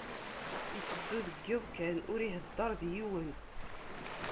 Iteddu deg iḍ kan, ur ihedder d yiwen.